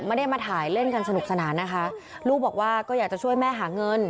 ไม่ได้มาถ่ายเล่นกันสนุกสนานนะคะลูกบอกว่าก็อยากจะช่วยแม่หาเงิน